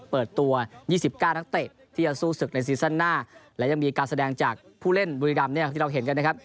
เปิดตัว๒๙นักเตะที่จะสู้ศึกในซีซั่นหน้าและยังมีการแสดงจากผู้เล่นบุรีรำเนี่ยที่เราเห็นกันนะครับ